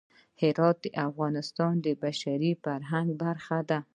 هرات د افغانستان د بشري فرهنګ برخه ده.